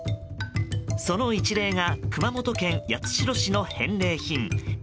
その一例が熊本県八代市の返礼品。